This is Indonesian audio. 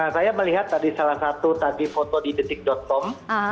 saya melihat tadi salah satu tadi foto di detik com